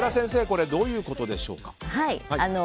これはどういうことでしょうか。